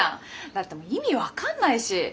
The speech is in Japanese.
だって意味分かんないし。